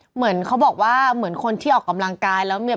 เหมือนเขาบอกว่าเหมือนคนที่ออกกำลังกายแล้วเนี่ย